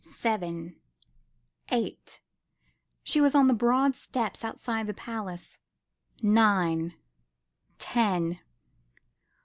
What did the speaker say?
Seven! Eight! She was on the broad steps outside the palace. Nine ! Ten